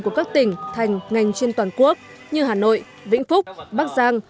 của các tỉnh thành ngành chuyên toàn quốc như hà nội vĩnh phúc bắc giang